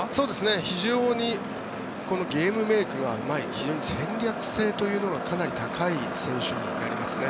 非常にゲームメイクがうまい非常に戦略性というのがかなり高い選手になりますね。